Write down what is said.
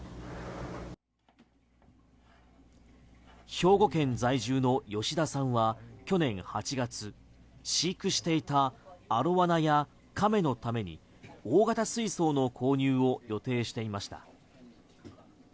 兵庫県在住の吉田さんは去年８月飼育していたアロワナやカメのために大型水槽の購入を予定していました。